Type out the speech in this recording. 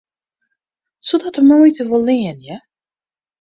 Soe dat de muoite wol leanje?